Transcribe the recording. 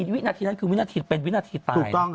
วินาทีนั้นคือวินาทีเป็นวินาทีตาย